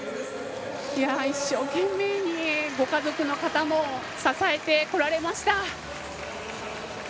一生懸命にご家族の方も支えてこられました。